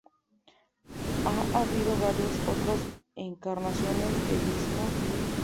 Ha habido varias otras encarnaciones de Visnú.